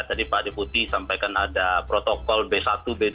tadi pak deputi sampaikan ada protokol b satu b dua